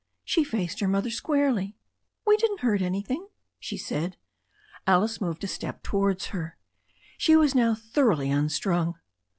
She faced her mother squarely. "We didn't hurt anything/' she said. Alice moved a step towards her. She was now thoroughly unstrung.